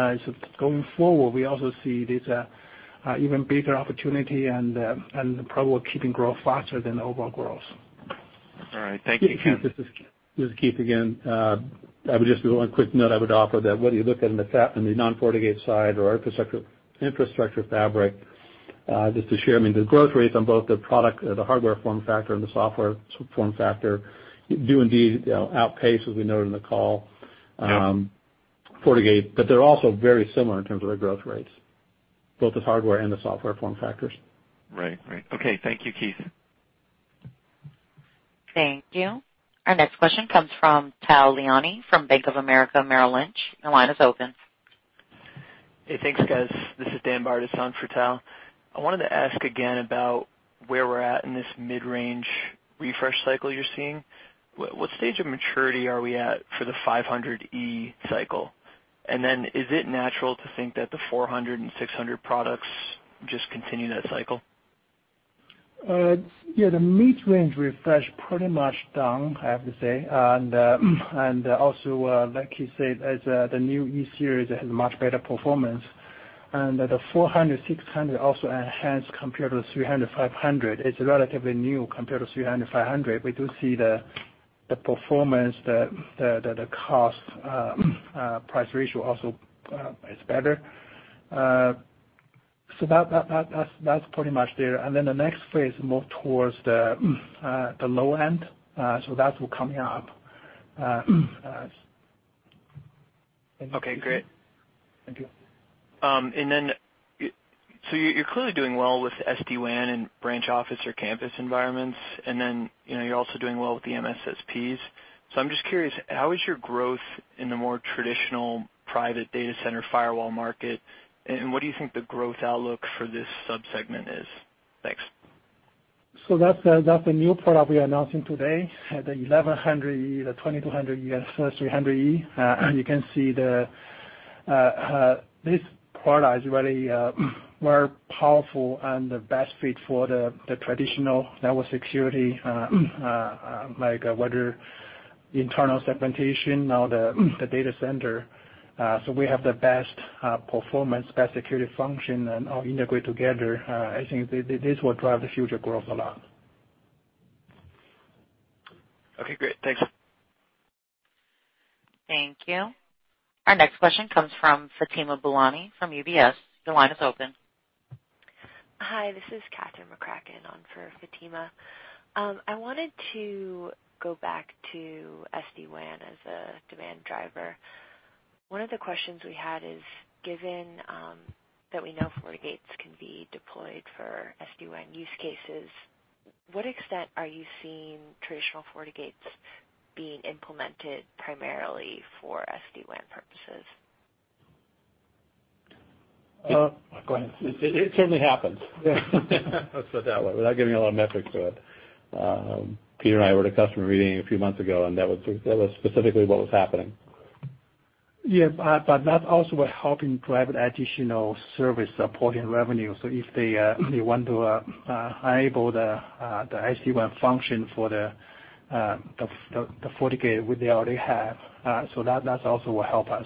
Speaker 3: going forward, we also see this even bigger opportunity and probably keeping growth faster than overall growth.
Speaker 11: All right. Thank you.
Speaker 4: This is Keith again. I would just, the one quick note I would offer that whether you look at in the non-FortiGate side or Security Fabric, just to share, I mean, the growth rates on both the product, the hardware form factor, and the software form factor do indeed outpace, as we noted in the call-
Speaker 11: Yep
Speaker 4: FortiGate, they're also very similar in terms of their growth rates, both the hardware and the software form factors.
Speaker 11: Right. Okay. Thank you, Keith.
Speaker 1: Thank you. Our next question comes from Tal Liani from Bank of America Merrill Lynch. Your line is open.
Speaker 12: Hey, thanks, guys. This is Dan Bartus is on for Tal. I wanted to ask again about where we're at in this mid-range refresh cycle you're seeing. What stage of maturity are we at for the 500E cycle? Is it natural to think that the 400 and 600 products just continue that cycle?
Speaker 3: Yeah, the mid-range refresh pretty much done, I have to say. Also, like Keith said, as the new E-series has much better performance, and the 400, 600 also enhanced compared to the 300, 500. It's relatively new compared to 300, 500. We do see the performance, the cost price ratio also is better. That's pretty much there. Then the next phase move towards the low end. That's coming up.
Speaker 12: Okay, great.
Speaker 3: Thank you.
Speaker 12: You're clearly doing well with SD-WAN and branch office or campus environments, and then you're also doing well with the MSSPs. I'm just curious, how is your growth in the more traditional private data center firewall market, and what do you think the growth outlook for this subsegment is? Thanks.
Speaker 3: That's the new product we are announcing today, the 1100E, the 2200E, and 3300E. You can see these products are very more powerful and the best fit for the traditional network security, like whether internal segmentation or the data center. We have the best performance, best security function and all integrate together. I think this will drive the future growth a lot.
Speaker 12: Okay, great. Thanks.
Speaker 1: Thank you. Our next question comes from Fatima Boolani from UBS. Your line is open.
Speaker 13: Hi, this is Katherine McCracken on for Fatima. I wanted to go back to SD-WAN as a demand driver. One of the questions we had is, given that we know FortiGates can be deployed for SD-WAN use cases, what extent are you seeing traditional FortiGates being implemented primarily for SD-WAN purposes?
Speaker 3: Go ahead.
Speaker 4: It certainly happens. Let's put it that way, without giving a lot of metrics to it. Peter and I were at a customer meeting a few months ago, and that was specifically what was happening.
Speaker 3: Yeah, that also will help in drive additional service, supporting revenue. If they want to enable the SD-WAN function for the FortiGate, which they already have, so that also will help us.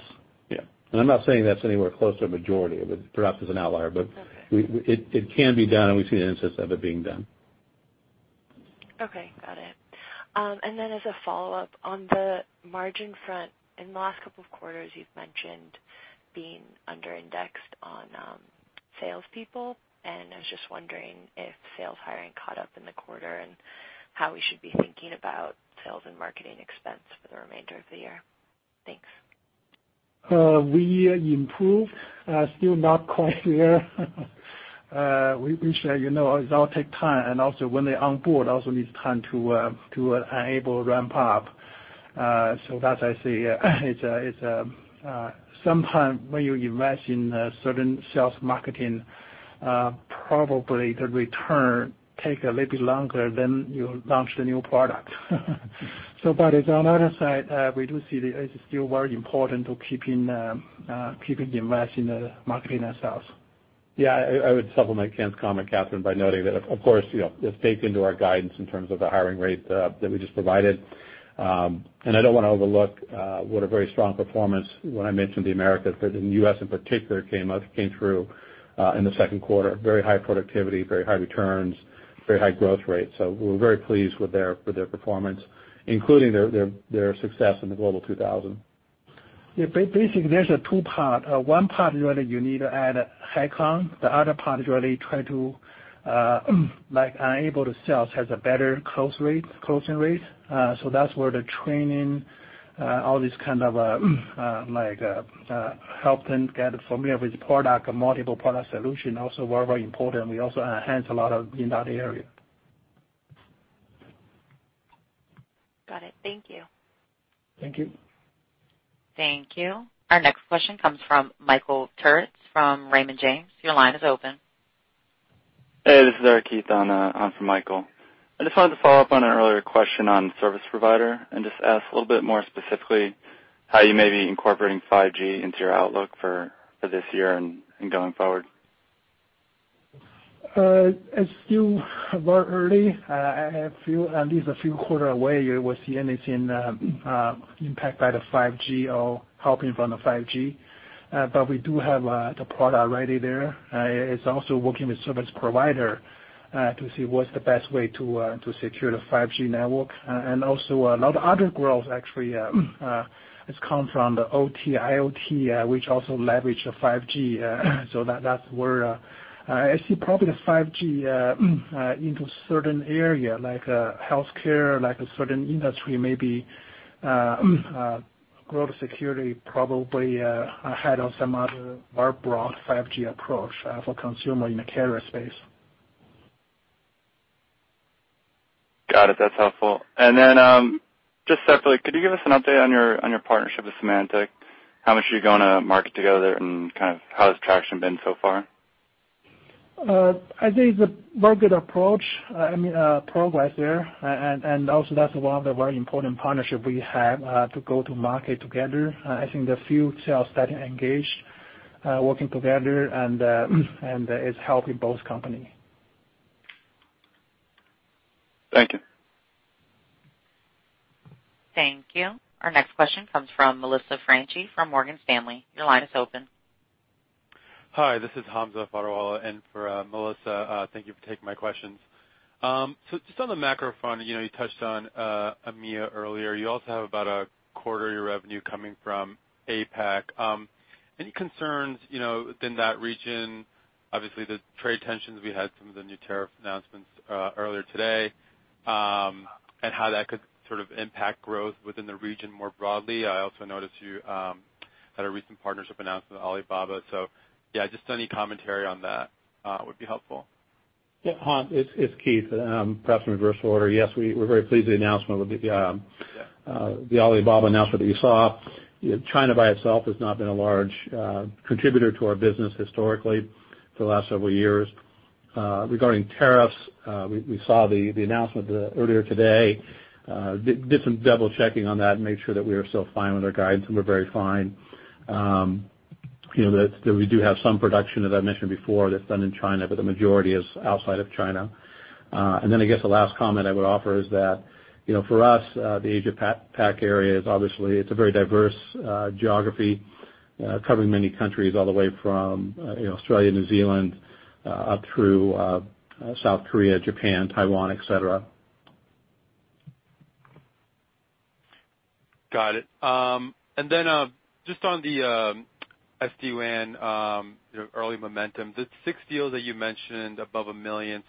Speaker 4: Yeah. I'm not saying that's anywhere close to a majority of it. Perhaps it's an outlier.
Speaker 13: Okay
Speaker 4: it can be done, and we've seen instances of it being done.
Speaker 13: Okay. Got it. As a follow-up, on the margin front, in the last couple of quarters, you've mentioned being under-indexed on salespeople, and I was just wondering if sales hiring caught up in the quarter and how we should be thinking about sales and marketing expense for the remainder of the year. Thanks.
Speaker 3: We improved. Still not quite there. We wish, you know, it'll take time, and also when they onboard, also needs time to enable ramp up. That I see. Sometimes when you invest in certain sales marketing, probably the return take a little bit longer than you launch the new product. On the other side, we do see that it is still very important to keeping invest in the marketing ourselves.
Speaker 4: I would supplement Ken's comment, Katherine, by noting that, of course, it's baked into our guidance in terms of the hiring rate that we just provided. I don't want to overlook what a very strong performance, when I mentioned the Americas, but the U.S. in particular came through in the second quarter. Very high productivity, very high returns, very high growth rate. We're very pleased with their performance, including their success in the Global 2000.
Speaker 3: Yeah, basically, there's two part. One part, really, you need to add head count. The other part is really try to enable the sales, has a better closing rate. That's where the training, all this kind of help them get familiar with the product, multiple product solution, also very, very important. We also enhance a lot of in that area.
Speaker 13: Got it. Thank you.
Speaker 3: Thank you.
Speaker 1: Thank you. Our next question comes from Michael Turits from Raymond James. Your line is open.
Speaker 14: Hey, this is Keith on for Michael. I just wanted to follow up on an earlier question on service provider and just ask a little bit more specifically how you may be incorporating 5G into your outlook for this year and going forward?
Speaker 3: It's still very early. At least a few quarter away, you will see anything impact by the 5G or helping from the 5G. We do have the product already there. It's also working with service provider to see what's the best way to secure the 5G network. Also, a lot of other growth, actually, it's come from the OT, IoT, which also leverage the 5G. That's where I see probably the 5G into a certain area, like healthcare, like a certain industry, maybe growth security probably ahead of some other very broad 5G approach for consumer in the carrier space.
Speaker 14: Got it. That's helpful. Just separately, could you give us an update on your partnership with Symantec? How much are you going to market together, and how has traction been so far?
Speaker 3: I think it's a very good approach. I mean, progress there, and also, that's one of the very important partnership we have, to go to market together. I think there are a few sales that are engaged, working together, and it's helping both company.
Speaker 14: Thank you.
Speaker 1: Thank you. Our next question comes from Melissa Franchi from Morgan Stanley. Your line is open.
Speaker 15: Hi, this is Hamza Fodderwala in for Melissa Franchi. Thank you for taking my questions. Just on the macro front, you touched on EMEA earlier. You also have about a quarter of your revenue coming from APAC. Any concerns within that region? Obviously, the trade tensions, we had some of the new tariff announcements earlier today, and how that could sort of impact growth within the region more broadly. I also noticed you had a recent partnership announcement with Alibaba. Yeah, just any commentary on that would be helpful.
Speaker 4: Ham, it's Keith. Perhaps in reverse order. Yes, we're very pleased with the Alibaba announcement that you saw. China by itself has not been a large contributor to our business historically for the last several years. Regarding tariffs, we saw the announcement earlier today. Did some double-checking on that and made sure that we are still fine with our guidance, and we're very fine. We do have some production, as I mentioned before, that's done in China, but the majority is outside of China. I guess the last comment I would offer is that, for us, the Asia Pac area is obviously a very diverse geography, covering many countries, all the way from Australia, New Zealand, up through South Korea, Japan, Taiwan, et cetera.
Speaker 15: Got it. Then just on the SD-WAN early momentum, the six deals that you mentioned above $1 million.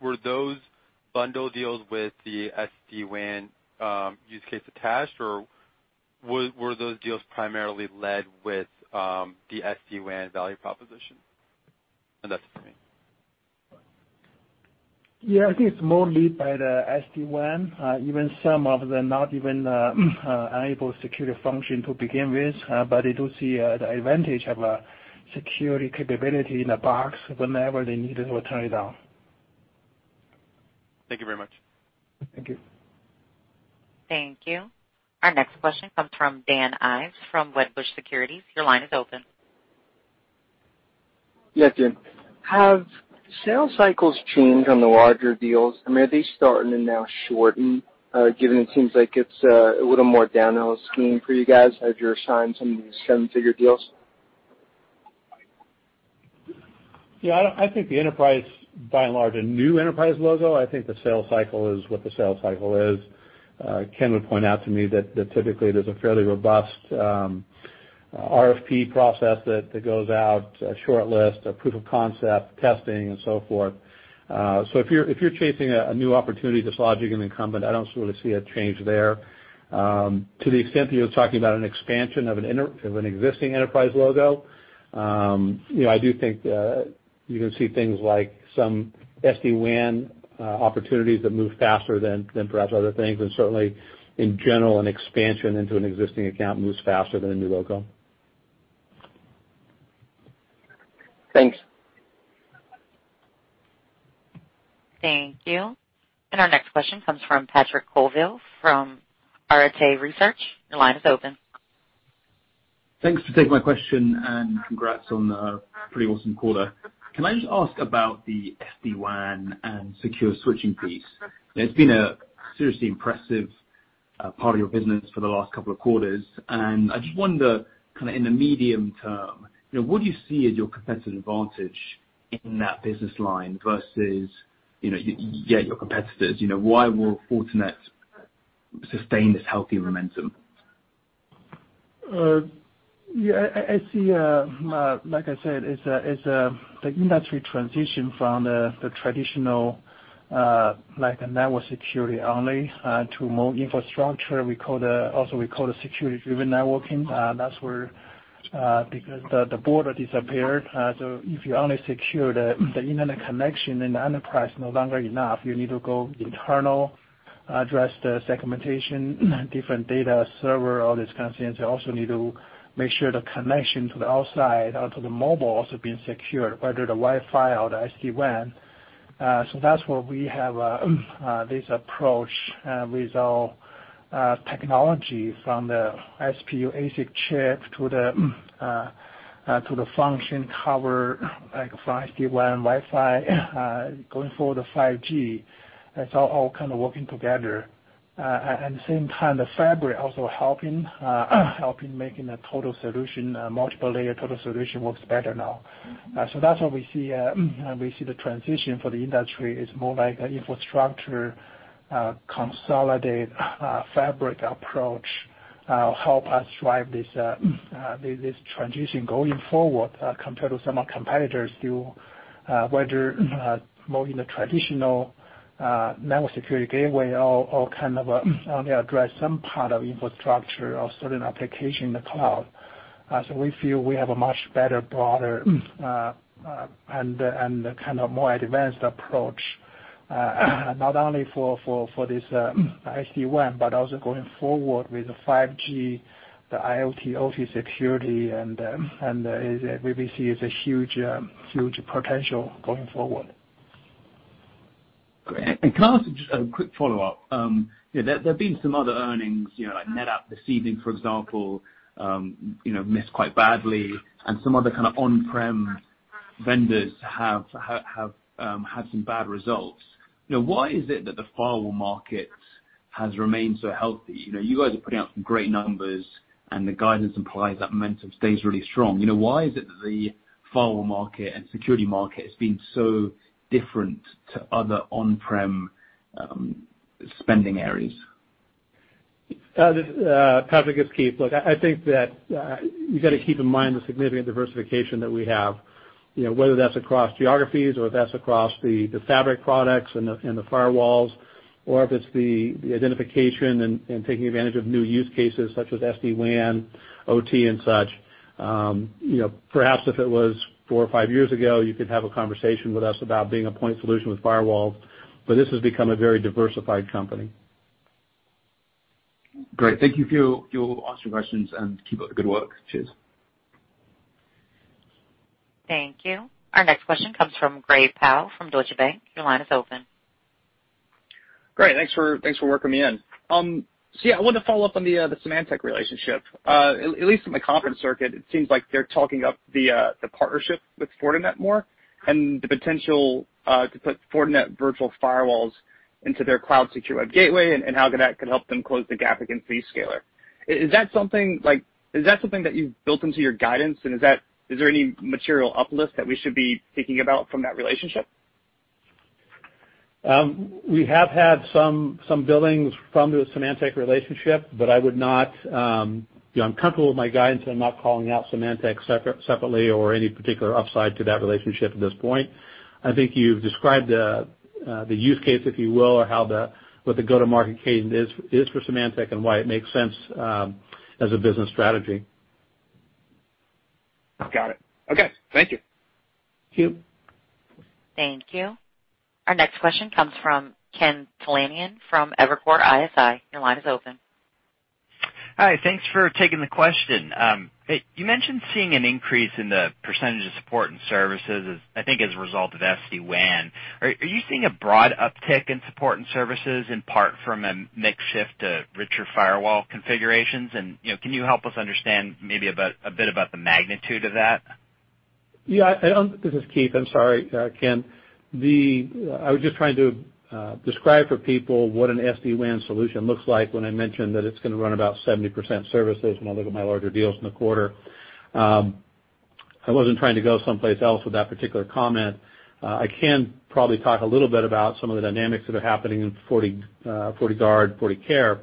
Speaker 15: Were those bundle deals with the SD-WAN use case attached, or were those deals primarily led with the SD-WAN value proposition? That's it.
Speaker 3: Yeah, I think it's more led by the SD-WAN. Even some of the not even enabled security function to begin with, but they do see the advantage of a security capability in a box whenever they need it or turn it on.
Speaker 15: Thank you very much.
Speaker 3: Thank you.
Speaker 1: Thank you. Our next question comes from Daniel Ives from Wedbush Securities. Your line is open.
Speaker 16: Yeah, Dan. Have sales cycles changed on the larger deals? I mean, are they starting to now shorten, given it seems like it's a little more downhill scheme for you guys as you're signing some of these seven-figure deals?
Speaker 4: Yeah, I think the enterprise, by and large, a new enterprise logo, I think the sales cycle is what the sales cycle is. Ken would point out to me that typically there's a fairly robust RFP process that goes out, a short list, a proof of concept testing, and so forth. If you're chasing a new opportunity dislodging an incumbent, I don't sort of see a change there. To the extent that you're talking about an expansion of an existing enterprise logo, I do think you're going to see things like some SD-WAN opportunities that move faster than perhaps other things, and certainly in general, an expansion into an existing account moves faster than a new logo.
Speaker 16: Thanks.
Speaker 1: Thank you. Our next question comes from Patrick Colville from Arete Research. Your line is open.
Speaker 17: Thanks for taking my question and congrats on a pretty awesome quarter. Can I just ask about the SD-WAN and secure switching piece? It's been a seriously impressive part of your business for the last couple of quarters. I just wonder, kind of in the medium term, what do you see as your competitive advantage in that business line versus your competitors? Why will Fortinet sustain this healthy momentum?
Speaker 3: Yeah. Like I said, it's the industry transition from the traditional, like a network security only, to more infrastructure. We call it security-driven networking. That's where, because the border disappeared, if you only secure the internet connection in the enterprise, no longer enough, you need to go internal, address the segmentation, different data server, all this kind of things. You also need to make sure the connection to the outside, out to the mobile, also being secured, whether the Wi-Fi or the SD-WAN. That's why we have this approach with our technology from the SPU ASIC chip to the function cover, like for SD-WAN, Wi-Fi, going forward to 5G. That's all kind of working together. At the same time, the fabric also helping making a total solution, multiple layer total solution works better now. That's why we see the transition for the industry is more like an infrastructure consolidate fabric approach help us drive this transition going forward compared to some of our competitors who, whether more in the traditional network security gateway or kind of only address some part of infrastructure or certain application in the cloud. We feel we have a much better, broader, and kind of more advanced approach, not only for this SD-WAN, but also going forward with 5G, the IoT, OT security, and we see it's a huge potential going forward.
Speaker 17: Great. Can I ask just a quick follow-up? There've been some other earnings, like NetApp this evening, for example, missed quite badly, and some other kind of on-prem vendors have had some bad results. Why is it that the firewall market has remained so healthy? You guys are putting out some great numbers and the guidance implies that momentum stays really strong. Why is it that the firewall market and security market has been so different to other on-prem spending areas?
Speaker 4: Patrick, it's Keith. Look, I think that you got to keep in mind the significant diversification that we have. Whether that's across geographies or if that's across the fabric products and the firewalls, or if it's the identification and taking advantage of new use cases such as SD-WAN, OT, and such. Perhaps if it was four or five years ago, you could have a conversation with us about being a point solution with firewalls, but this has become a very diversified company.
Speaker 17: Great. Thank you for your answers to my questions, and keep up the good work. Cheers.
Speaker 1: Thank you. Our next question comes from Gray Powell from Deutsche Bank. Your line is open.
Speaker 18: Great. Thanks for working me in. Yeah, I wanted to follow up on the Symantec relationship. At least in the conference circuit, it seems like they're talking up the partnership with Fortinet more and the potential to put Fortinet virtual firewalls into their cloud secure web gateway and how that could help them close the gap against Zscaler. Is that something that you've built into your guidance, and is there any material uplift that we should be thinking about from that relationship?
Speaker 4: We have had some billings from the Symantec relationship, but I'm comfortable with my guidance. I'm not calling out Symantec separately or any particular upside to that relationship at this point. I think you've described the use case, if you will, or what the go-to-market cadence is for Symantec and why it makes sense as a business strategy.
Speaker 18: Got it. Okay. Thank you.
Speaker 4: Thank you.
Speaker 1: Thank you. Our next question comes from Ken Talanian from Evercore ISI. Your line is open.
Speaker 19: Hi. Thanks for taking the question. You mentioned seeing an increase in the % of support and services, I think as a result of SD-WAN. Are you seeing a broad uptick in support and services, in part from a mix shift to richer firewall configurations? Can you help us understand maybe a bit about the magnitude of that?
Speaker 4: Yeah. This is Keith. I'm sorry, Ken. I was just trying to describe for people what an SD-WAN solution looks like when I mentioned that it's going to run about 70% services when I look at my larger deals in the quarter. I wasn't trying to go someplace else with that particular comment. I can probably talk a little bit about some of the dynamics that are happening in FortiGuard/FortiCare.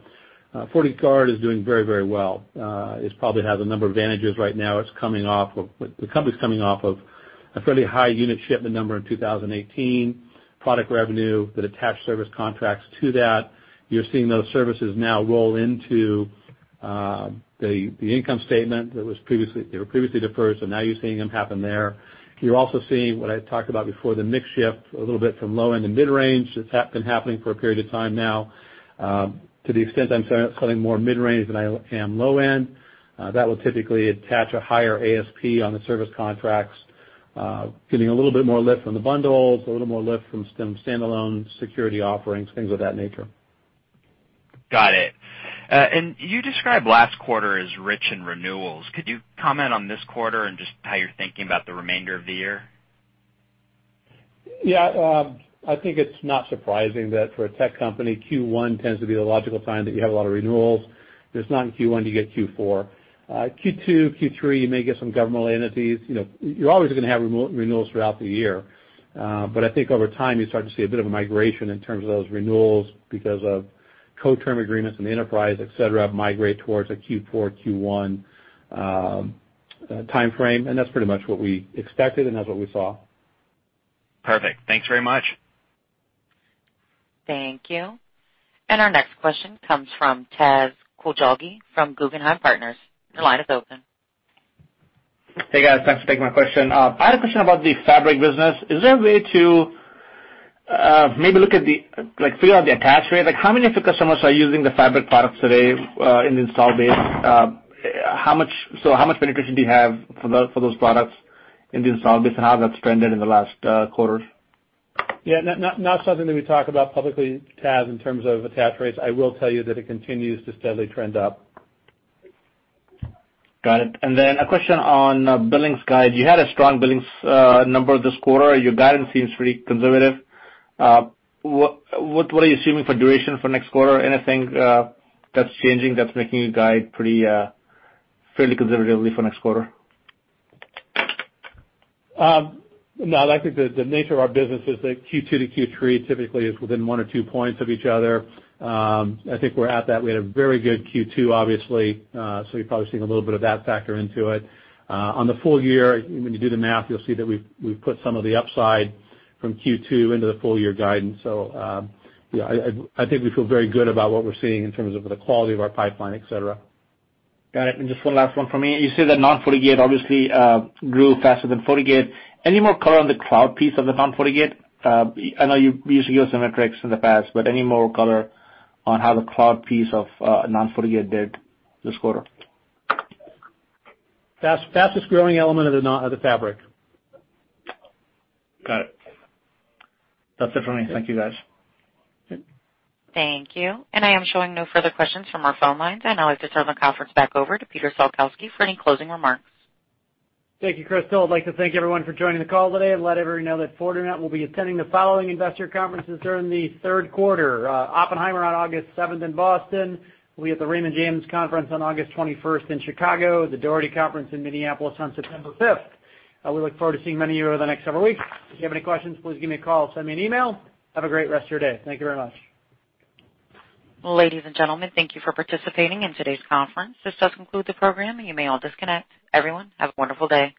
Speaker 4: FortiGuard is doing very well. It probably has a number of advantages right now. The company's coming off of a fairly high unit shipment number in 2018, product revenue that attached service contracts to that. You're seeing those services now roll into the income statement. They were previously deferred, so now you're seeing them happen there. You're also seeing what I talked about before, the mix shift a little bit from low-end to mid-range. That's been happening for a period of time now. To the extent I'm selling more mid-range than I am low-end, that will typically attach a higher ASP on the service contracts, getting a little bit more lift from the bundles, a little more lift from standalone security offerings, things of that nature.
Speaker 19: Got it. You described last quarter as rich in renewals. Could you comment on this quarter and just how you're thinking about the remainder of the year?
Speaker 4: Yeah. I think it's not surprising that for a tech company, Q1 tends to be the logical time that you have a lot of renewals. If it's not in Q1, you get Q4. Q2, Q3, you may get some governmental entities. You're always going to have renewals throughout the year. I think over time, you start to see a bit of a migration in terms of those renewals because of co-term agreements in the enterprise, et cetera, migrate towards a Q4, Q1 timeframe, and that's pretty much what we expected, and that's what we saw.
Speaker 19: Perfect. Thanks very much.
Speaker 1: Thank you. Our next question comes from Imtiaz Koujalgi from Guggenheim Partners. Your line is open.
Speaker 20: Hey, guys. Thanks for taking my question. I had a question about the Fabric business. Is there a way to maybe figure out the attach rate? How many of the customers are using the Fabric products today in the install base? How much penetration do you have for those products in the install base, and how has that trended in the last quarters?
Speaker 4: Yeah. Not something that we talk about publicly, Taz, in terms of attach rates. I will tell you that it continues to steadily trend up.
Speaker 20: Got it. A question on billings guide. You had a strong billings number this quarter. Your guidance seems pretty conservative. What are you assuming for duration for next quarter? Anything that's changing, that's making you guide fairly conservatively for next quarter?
Speaker 4: I think the nature of our business is that Q2 to Q3 typically is within one or two points of each other. I think we're at that. We had a very good Q2, obviously, you're probably seeing a little bit of that factor into it. On the full year, when you do the math, you'll see that we've put some of the upside from Q2 into the full year guidance. Yeah, I think we feel very good about what we're seeing in terms of the quality of our pipeline, et cetera.
Speaker 20: Got it. Just one last one from me. You said that Non-FortiGate obviously grew faster than FortiGate. Any more color on the cloud piece of the Non-FortiGate? I know you usually give some metrics in the past, but any more color on how the cloud piece of Non-FortiGate did this quarter?
Speaker 4: Fastest-growing element of the Fabric.
Speaker 20: Got it. That's it for me. Thank you, guys.
Speaker 1: Thank you. I am showing no further questions from our phone lines. I now like to turn the conference back over to Peter Salkowski for any closing remarks.
Speaker 2: Thank you, Crystal. I'd like to thank everyone for joining the call today and let everyone know that Fortinet will be attending the following investor conferences during the third quarter: Oppenheimer on August seventh in Boston. We'll be at the Raymond James Conference on August twenty-first in Chicago, the Dougherty Conference in Minneapolis on September fifth. We look forward to seeing many of you over the next several weeks. If you have any questions, please give me a call or send me an email. Have a great rest of your day. Thank you very much.
Speaker 1: Ladies and gentlemen, thank you for participating in today's conference. This does conclude the program. You may all disconnect. Everyone, have a wonderful day.